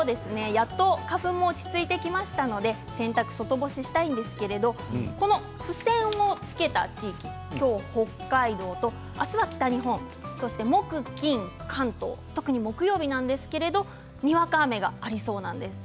やっと花粉も落ち着いてきましたので洗濯、外干ししたいんですけれどこのふせんをつけた地域今日は北海道、明日は北日本木曜金曜は関東、特に木曜日なんですけれどもにわか雨がありそうなんです。